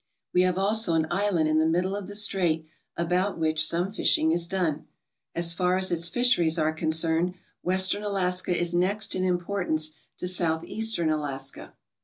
We have also an island in the middle of the strait about which some fishing is done. As far as its fisheries are concerned, Western Alaska is next in import ance to Southeastern Alaska.